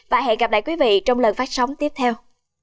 và hẹn gặp lại quý vị trong lần phát sóng tiếp theo